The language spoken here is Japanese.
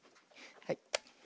はい。